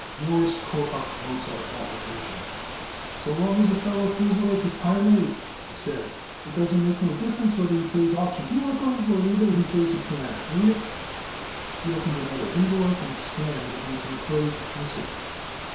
Morris tore up Mozart's application. "So long as a feller fools away his time, Abe," he said, "it don't make no difference either he plays auction pinochle or either he plays the pianner. Ain't it?" He opened another envelope and scanned the enclosed missive.